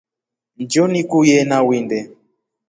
Njio nikuye nawinde.